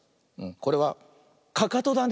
これはかかとだね。